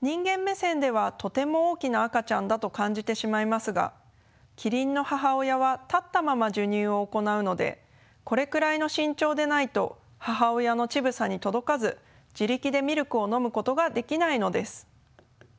人間目線ではとても大きな赤ちゃんだと感じてしまいますがキリンの母親は立ったまま授乳を行うのでこれくらいの身長でないと母親の乳房に届かず自力でミルクを飲むことができないのです。